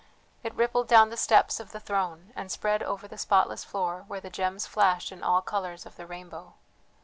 It rippled down the steps of the throne, and spread over the spotless floor where the gems flashed in all colours of the rainbow.